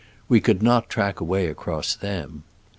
We could not track a way across them.